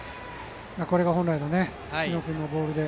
これが本来の月野君のボールで。